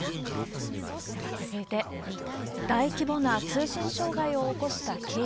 では続いて、大規模な通信障害を起こしたＫＤＤＩ。